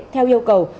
theo yêu cầu